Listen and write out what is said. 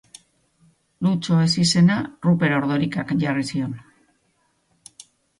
Lutxo ezizena Ruper Ordorikak jarri zion.